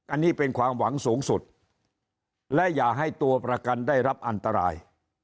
อันนี้เป็นความหวังสูงสุดและอย่าให้ตัวประกันได้รับอันตราย